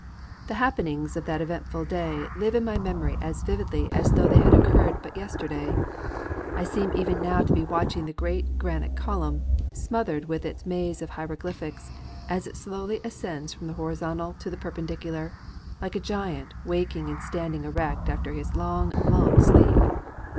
The happenings of that eventful day live in my memory as vividly as though they had occurred but yesterday. I seem even now to be watching the great granite column, smothered with its maze of hieroglyphics, as it slowly ascends from the horizontal to the perpendicular, like a giant waking and standing erect after his long, long sleep.